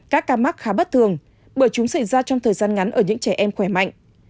các ca mắc khá bất thường bởi chúng xảy ra trong thời gian ngắn ở những trẻ em khỏe mạnh